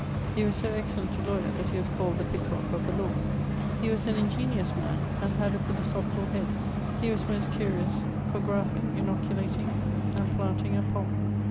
He was so excellent a lawyer, that he was called The Picklock of the Lawe. He was an ingeniose man, and had a philosophicall head; he was most curious for graffing, inoculating, and planting, and ponds.